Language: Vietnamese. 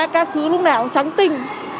các thứ lúc nào cũng trắng tinh